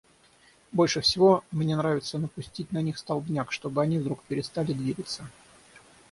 Больше всего мне нравится напустить на них столбняк, чтобы они вдруг перестали двигаться.